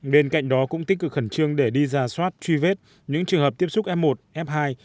bên cạnh đó cũng tích cực khẩn trương để đi ra soát truy vết những trường hợp tiếp xúc f một f hai